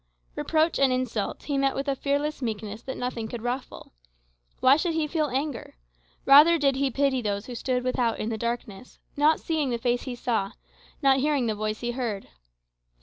Reproach and insult he met with a fearless meekness that nothing could ruffle. Why should he feel anger? Rather did he pity those who stood without in the darkness, not seeing the Face he saw, not hearing the Voice he heard.